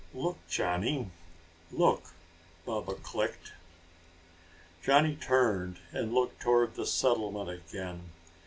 "Look, Johnny, look!" Baba clicked. Johnny turned and looked toward the settlement again.